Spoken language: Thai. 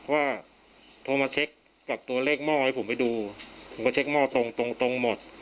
โทรมาเช็คกับตัวเลขหม้อให้ผมไปดูผมก็เช็คหม้อตรงตรงหมด